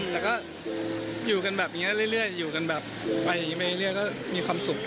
แต่ก็อยู่กันแบบนี้เรื่อยอยู่กันแบบไปอย่างงี้ไปเรื่อยก็มีความสุข